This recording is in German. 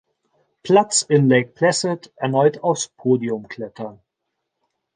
Platz in Lake Placid erneut aufs Podium klettern.